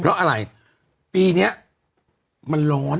เพราะอะไรปีนี้มันร้อน